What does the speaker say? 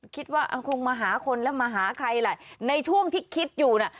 คิดว่าคงมาหาคนแล้วมาหาใครแหละในช่วงที่คิดอยู่น่ะ